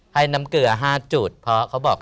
ให้น้ำเกลือ๕จุดเพราะเขาบอก